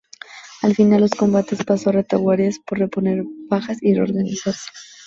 Al finalizar los combates pasó a retaguardia, para reponer bajas y reorganizarse.